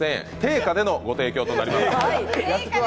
定価でのご提供となります。